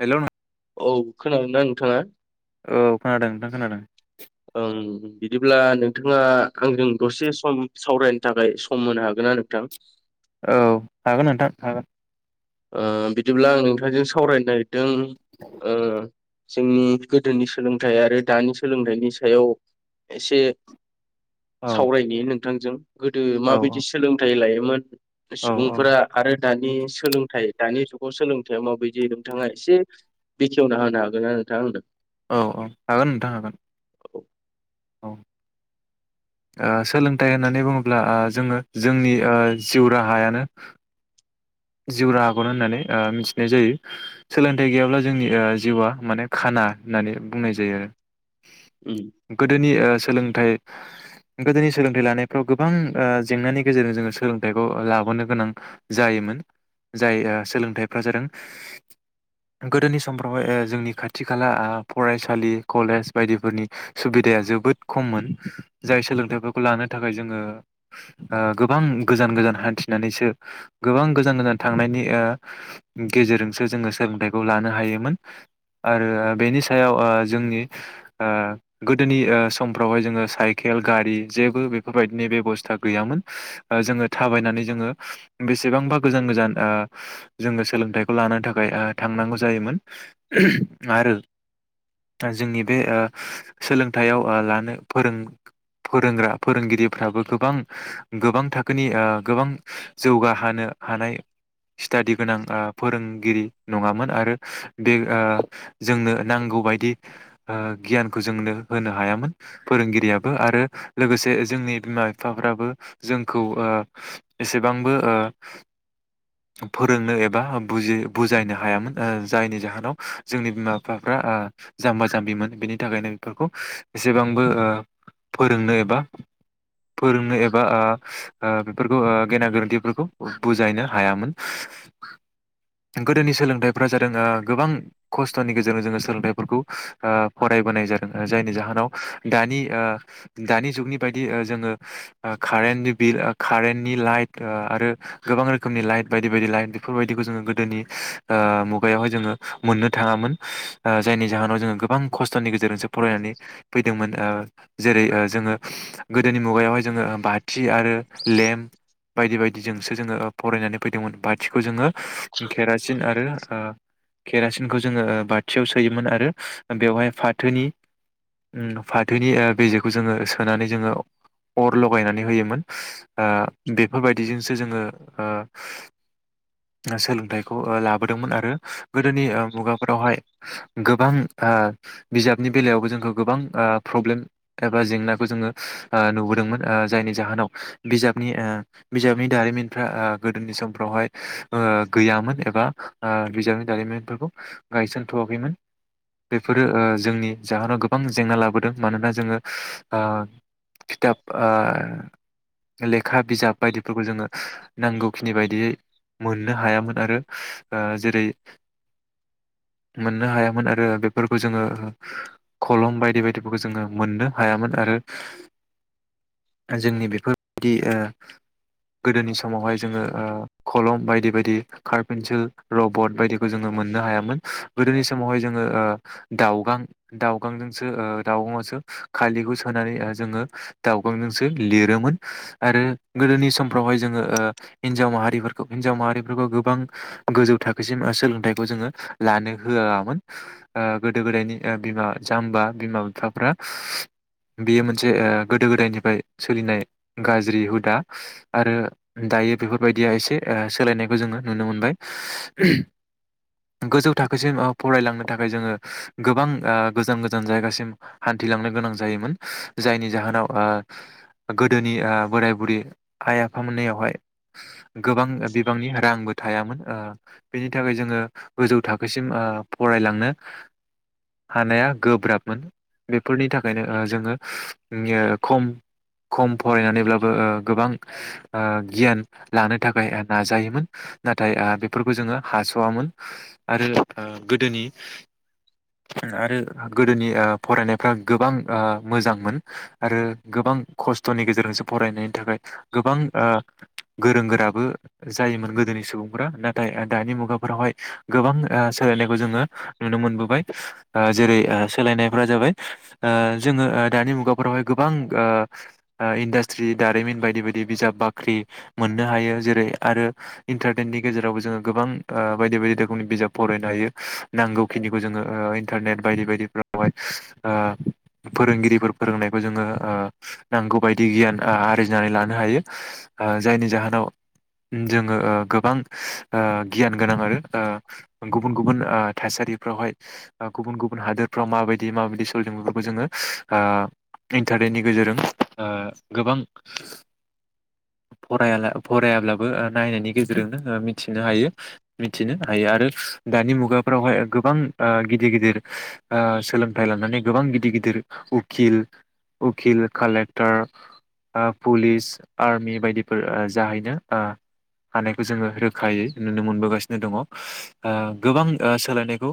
हेल' नों औ खोनादोंना नोंथाङा? औ खोनादों नोंथां खोनादों। ओं बिदिब्ला नोंथाङा आंजों दसे सम सावरायनो थाखाय सम होनो हागोनना नोंथां? औ हागोन नोंथां हागोन। ओ बिदिब्ला आं नोंथांजों सावरायनो नागिर जों ओ जोंनि गोदोनि सोलोंथाइ आरो दानि सोलोंथाइनि सायाव एसे औ सावरायनि नों थांजों गोदो औ माबायदि सोलोंथाइ लायो? मा होनदो? औ औ सुबुंफोरा आरो दानि सोलों दानि जुगाव सोलोंथाइया माबायदि नोंथाङा एसे बेखेवना होनो हागोनना नोंथां आंनो। औ औ हागोन नोंथां हागोन। औ औ। ओ सोलोंथाइ होननानै बुङोब्ला ओ जोङो जोंनि ओ जिउ राहायानो। जिउ राहाखौनो होननानै ओ मिथिनाय जायो सोलोंथाइ गैयाब्ला जोंनि ओ जिउआ माने खाना होननानै बुंनाय जायो आरो। उम गोदोनि ओ सोलोंथाइ गोदोनि सोलोंथाइ लानायफ्राव गोबां ओ जेंनानि गेजेरजों जोङो सोलोंथाइखौ लाबोनो गोनां जायोमोन। जाय ओ सोलोंथाइफ्रा जादों गोदोनि समफ्रावहाय ओ जोंनि खाथि खाला फरायसालि कलेज बायदिफोरनि सुबिदाया जोबोद खममोन जाय सोलोंथाइफोरखौ लानो थाखाय जोङो ओ गोबां गोजान गोजान हान्थिनानैसो गोबां गोजान थांनायनि ओ गेजेरजोंसो जोङो सोलोंथाइखौ लानो हायोमोन आरो बेनि सायाव ओ जोंनि ओ गोदोनि ओ सम फ्रावहाय जोङो साइकेल गारि जेबो बेफोरबायदिनि बेबस्था गैयामोन ओ जोङो थाबायनानै जोङो बेसेबांबा गोजान गोजान ओ जोङो सोलोंथाइखौ लानो थाखाय ओ थांनांगौ जायोमोन आरो जोंनि बे ओ सोलोंथाइयाव ओ लानो फोरों फोरोंग्रा फोरोंगिरिफ्राबो गोबां गोबां थाखोनि ओ गोबां जौगाहानो हानाय स्टादि गोनां ओ फोरोंगिरि नङामोन आरो बे ओ जोंनो नांगौ बायदि ओ गियानखौ जोंनो होनो हायामोन फोरोंगिरियाबो आरो लोगोसे जोंनि बिमा बिफाफ्राबो जोंखौ ओ एसेबांबो ओ फोरोंनो एबा बुजि बुजायनो हायामोन ओ जायनि जाहोनाव जोंनि बिमा बिफाफ्रा ओ जाम्बा जाम्बिमोन बेनि थाखायनो बेफोरखौ एसेबांबो ओ फोरोंनो एबा फोरोंनो एबा ओ ओ बेफोरखौ ओ गेना गोरोन्थिफोरखौ बुजायनो हायामोन गोदोनि सोलोंथाइफ्रा जादों ओ गोबां खस्थ'नि गेजेरजों जोङो सोलोंथाइफोरखौ ओ फरायबोनाय जादों जायनि जाहोनाव दानि ओ दानि जुगनि बायद दि जोङो ओ खारेननि बिल कारेन्टनि लाइट ओ आरो गोबां रोखोमनि लाइट बायदि बायदि लाइट बेफोरबायदिखौ जोङो गोदोनि ओ मुगायावहाय जोङो मोननो थाङामोन ओ जायनि जाहोनाव जोङो गोबां खस्थ'नि गेजेरजोंसो फरायनानै फैदोंमोन ओ जेरै ओ जोङो गोदोनि मुगायावहाय जोङो बाथि आरो लेम्प बायदि बायदिजों सो जोङो फरायनानै फैदोंमोन बाथिखौ जोङो केरासिन आरो ओ केरासिनखौ जोङो बाथियाव सोयोमोन आरो बेवहाय फाथोनि उम फाथोनि ओ बेेजेखौ सोनानै जोङो अर लगायनानै होयोमोन। आ बेफोरबायदिजों जोङो ओ सोलोंथायखौ ओ लाबोदोंमोन आरो गोदोनि ओ मुगाफोरावहाय गोबां ओ बिजाबनि बेलायावबो जोंखौ गोबां फ्रब्लेम एबा जेंनाखौ जोङो ओ नुबोदोंमोन ओ जायनि जाहोनाव ओ बिजाबनि ओ बिजाबनि दारिमिनफ्रा ओ गोदोनि समफ्रावहाय ओ गैयामोन एबा ओ बिजाबनि दारिमिनफोरखौ गायसनथवाखैमोन। बेफोरो ओ जोंनि जाहोनाव गोबां जेंना लाबोदों मानोना जोङो ओ खिथाब ओ लेखा बिजाब बायदिफोरखौ जोङो नांगौखिनि बायदियै मोननो हायामोन आरो ओ जेरै मोननो हायामोन आरो बेफोरखौ जोङो खलम बायदि बायदिफोरखौ जोङो मोननो हायामोन आरो जोंनि बेफोरबायदि ओ गोदोनि समावहाय जोङो ओ खलम बायदि बायदि खारपेेनसिल लबट बायदिखौ जोङो मोननो हायामोन। गोदोनि समावहाय जोङो ओ दाउगां दाउगांजोंसो ओ दाउगाङावसो खालिखौ सोनानै ओ जोङो दाउगांजोंसो लिरोमो आरो गोदोनि सम फ्रावहाय जोङो ओ हिनजाव माहारिफोरखौ हिनजाव माहारिफोरखौ गोबां गोजौ थाखोसिम सोलोंथाइखौ जोङो लानो होआमोन। ओ गोदो गोदायनि बिमा जाम्बा बिमा बिफाफ्रा बेयो मोनसे ओ गोदो गोदायनिफ्राय सोलिनाय गाज्रि हुदा आरो दायो बेफोरबायदिया एसे ओ सोलायनायखौ जोङो नुनो मोनबाय। गोजौ थाखोसिम ओ फरायलांनो थाखाय जोङो गोबां ओ गोजान गोजान जायगासिम हान्थिलांनो गोनां जायोमोन जायनि जाहोनाव ओ गोदोनि ओ बोराय बुरि आइ आफा मोननियावहाय गोबां बिबांनि रांबो थायामोन। ओ बेनि थाखाय जोङो गोजौ थाखोसिम ओ फरायलांनो हानाया गोब्राबमोन। बेफोरनि थाखायनो ओ जोङो खम खम फरायनानैब्लाबो ओ गोबां ओ गियान लानो थाखाय नाजायोमोन। नाथाय आ बेफोरखौ जोङो हासवामोन आरो ओ गोदोनि आरो गोदोनि ओ फरायनायफ्रा गोबां ओ मोजांमोन आरो गोबां खस्थनि गेजेरजोंसो फरायनायनि थाखाय गोबां ओ गोरों गोराबो जायोमोन गोदोनि सुबुंफ्रा ना दाय-दानि मुगा फोरावहाय गोबां ओ सोलायनायखौ जोङो नुनो मोनबोबाय। ओ जेरै ओ सोलायनायफोरा जाबाय ओ जोङो ओ दानि मुगाफोरावहाय गोबां ओ इन्दास्त्रि दारिमिन बायदि बाय [unintelligible] बिजाब बाख्रि मोननो हायो जेरै आरो इन्टारटेननि गेजेरावबो जोङो गोबां ओ बायदि बायदि रोखोमनि बिजाब फरायनो हायो। नांगौखिनिखौ जोङो ओ इन्थारनेट बायदि बायदिफ्रावहाय ओ फोरोंगिरिफोर फोरोंनायखौ जोङो ओ नांगौ बायदि गियान आरजिनानै लानो नो हायो ओ जायनि जाहोनाव जोङो ओ गोबां ओ गियान गोनां आरो ओ गुबुन गुबुन ओ थासारिफ्रावहाय ओ गुबुन गुबुन हादोरफ्राव माबायदि माबायदि सलिदों बेफोरखौ जोङो ओ इन्टारनेटनि गेजेरजों ओ गोबां फरायाला-फरायाब्लाबो ओ नायनायनि गेजेरजोंनो ओ मिथिनो हायो, मिथिनो हायो आरो दानि मुगाफोरावहाय गोबां ओ गिदिर गिदिर ओ सोलोंथाइ लानानै गोबां गिदिर गिदिर उखिल उखिल कालेक्टर ओ पुलिस आर्मि बायदिफोर ओ जाहैनो ओ हानायखौ जोङो रोखायै नुनो मोनबोगासिनो दङ। ओ गोबां ओ सोलायनायखौ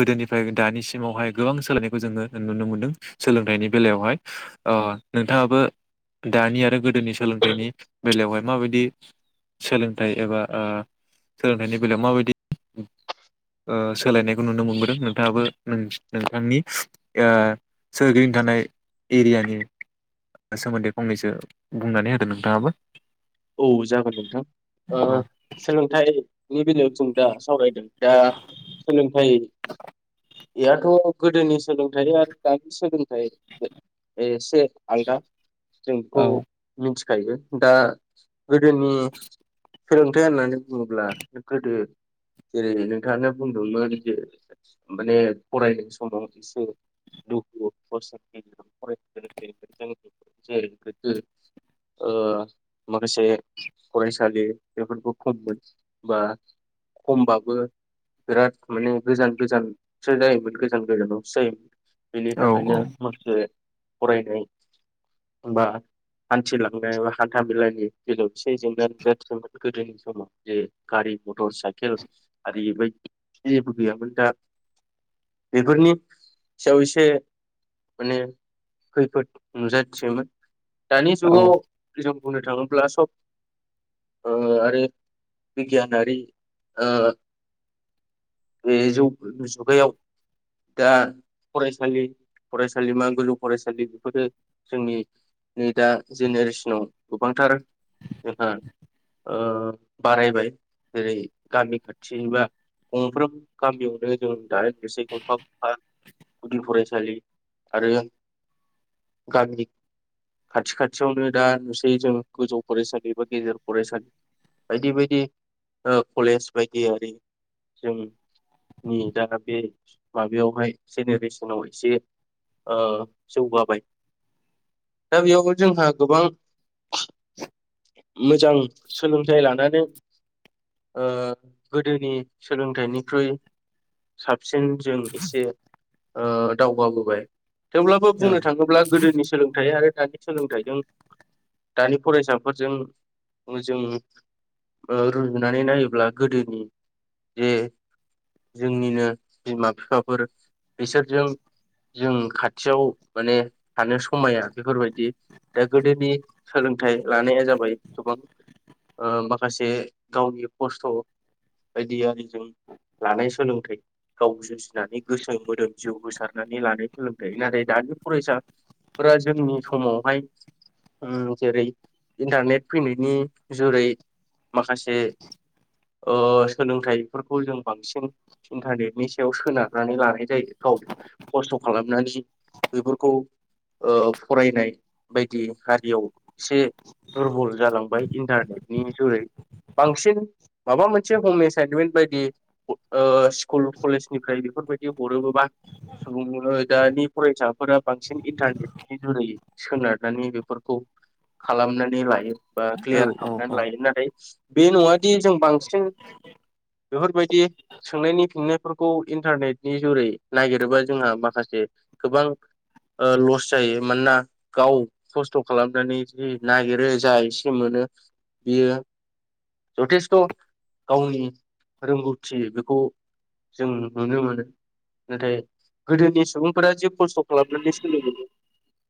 गोदोनिफ्राय दानिसिमावहाय गोबां सोलायनायखौ जोङो नुनो मोनदों सोलोंथाइनि बेलायावहाय। ओ नोंथाङाबो दानि आरो गोदोनि सोलोंथाइनि बेलायावहाय माबादि सोलोंथाइ एबा ओ सोलोंथाइनि बेलायाव माबादि ओ सोलायनाय खौ नुनो मोनबोदों नोंथाङाबो नोंस-नोंथांनि ओ सोरगिदिं थानाय एरियानि सोमोन्दै फंनैसो बुंनानै हो दो नोंथाङाबो औ जागोन नोंथां ओ औ सोलोंथाइ नि बेलायाव जों दा सावरायदों दा सोलोंथाइयाथ' गोदोनि सोलोंथाइ आरो दानि सोलों थाइ एसे आलदा जों बेखौ औ मिथि खायो। दा गोदोनि सोलोंथाइ होननानै बुङोब्ला गोदो जेरै नोंथाङानो बुंदोंमोन जे माने फरायनाय समाव एसे दुखु खस्थ'नि गेजेरजों फरायनो गोनां [unintelligible] ओ माखासे फरायसालि बेफोरखौ खममोन बा खमबाबो बिराद माने गोजान गोजानसो जायोमोन गोजान गोजानावसो जायोमोन। औ बेनिथाखायनो माखासे फरायनाय बा हान्थिलांनाय बा हान्था मेला नि बेलायाव एसे जेंना नुजाथियोमोन गोदोनि समाव जे गोनांथि जायोमोन [unintelligible] गोदोनि समाव गारि मथर साइकेल आरि बायदि जेबो गैयामोन दा बेफोरनि सायाव एसे माने खैफोद नुजाथियोमोन। दानि औ जुगाव जों बुंनो थाङो ब्ला सब ओ आरो बिगियानारि ओ बे जौ जुगायाव दा फरायसालि फरायसालिमा गोजौ फरायसालि बेफोरो जोंनि नै दा जेनेरेसनाव गोबांथार जोंहा ओ बारायबाय जेरै गामि खाथि बा गंफ्रोम गामियावनो जों दा नुसै गंफा गंफा गुदि फरायसालि आरो गामि खाथि खाथियावनो दा नुसै जों गोजौ फरायसालि बा गेजेर फरायसालि बायदि बायदि ओह कलेज बायदियारि जोंनि दा बे माबायावहाय जेनेरेसनाव एसे ओ जौगाबाय दा बेयाव जोंहा गोबां मोजां सोलोंथाइ लानानै ओ गोदोनि सोलोंथाइनिख्रुइ साब सिन जों एसे ओह दावगाबोबाय। थेवब्लाबो बुंनो थाङोब्ला गोदोनि सोलोंथाइ आरो दानि सोलोंथाइजों दानि फरायसा फोरजों जों ओह रुजुनानै नायोब्ला गोदोनि जे जोंनिनो बिमा बिफाफोर बिसोरजों जों खाथियाव माने थानो समाया बेफोरबायदि दा गोदोनि सोलोंथाइ लानाया जाबाय गोबां ओ माखासे गावनि खस्थ' बायदि आरिजों लानाय सोलोंथाइ गाव जुजिनानै गोसो मोदोम जिउ होसारनानै लानाय सोलोंथाइ नाथाय दानि फरायसाफोरा जोंनि समावहाय होम जेरै इन्टारनेट फैनायनि जुरै माखासे ओ सोलोंथाइफोरखौ जों बांसिन इन्टारनेटनि सायाव सोनारनानै लानाय जायो गाव खस्थ' खालामनानै बेफोरखौ ओह फरायनाय बायदि आरियाव एसे दुरबल जालांबाय इन्टारनेटनि जुरै। बांसिन माबा मोनसे हम एसाइनमेन्ट बायदि स्कुल कलेजनिफ्राय बेफोरबायदि हरोबोबा सुबुंङ दानि फरायसाफोरा बांसिन इन्टारनेटनि जुरै सोनारनानै बेफोरखौ खालामनानै लायो। बा औ क्लियार खालामनानै औ लायो नाथाय बे नङादि जों बांसिन बेफोरबायदि सोंनायनि फिननायफोरखौ इन्टारनेटनि जुरै नागिरोबा जोंहा माखासे गोबां ओ लस जायो मानोना गाव खस्थ' खालामनानै जि नागिरो जा एसे मोनो बियो जथेस्थ' गावनि रोंगौथि बेखौ जों नुनो मोनो नाथाय गोदोनि सुबुंफोरा जि खस्थ' खालामनानै सोलिबोयो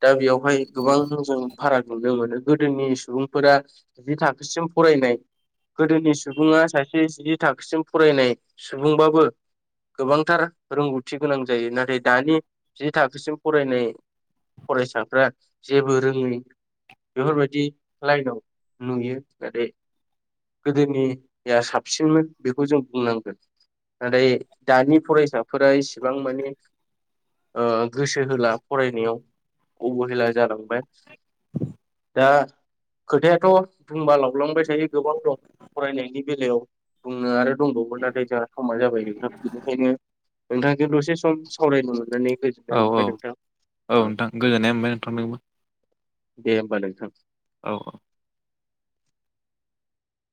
दा बेयावहाय गोबां जों फाराग नुनो मोनो। गोदोनि सुबुंफोरा जि थाखोसिम फरायनाय, गोदोनि सुबुङा सासे जि थाखोसिम फरायनाय सुबुंबाबो गोबांथार रोंगौथि गोनां जायो। नाथाय दानि जि थाखोसिम फरायनाय फरायसाफ्रा जेबो रोङै बेफोरबायदि लाइनाव नुयो नाथाय गोदोनिया साबसिनमोन बेखौ जों बुंनांगोन नाथाय दानि फरायसाफोरा इसेबां माने ओ गोसो होला फरायनायाव अबहेला जालांबाय। दा खोथायाथ' बुंबा लावलांबाय थायो गोबां दं फरायनायनि बेलायाव बुंनो आरो दंबावो नाथाय जोंहा समा जाबाय नोंथां बेनिखायनो नोंथांखौ दसे सम सावरायनो मोननानै औ गोजोननाय औ मोनबाय नोंथां औ ओ नोंथां गोजोननाय मोनबाय नोंथांदोंबो। दे होनबा नोंथां। औ औ